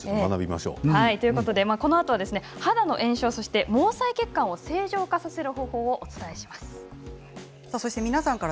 このあと肌の炎症そして毛細血管を正常化させる方法をお伝えします。